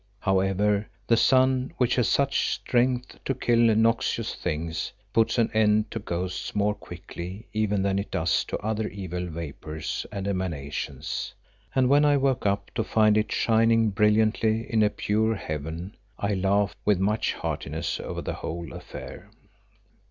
However, the sun which has such strength to kill noxious things, puts an end to ghosts more quickly even than it does to other evil vapours and emanations, and when I woke up to find it shining brilliantly in a pure heaven, I laughed with much heartiness over the whole affair.